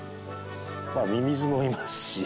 まあミミズもいますし。